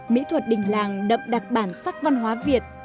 mỹ thuật đình làng đậm đặc sắc văn hóa việt